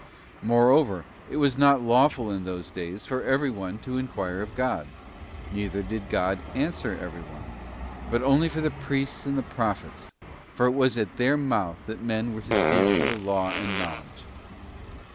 Moreover, it was not lawful in those days for everyone to enquire of God—neither did God answer everyone— but only for the Priests and the Prophets, for it was at their mouth that men were to seek for the law and knowledge.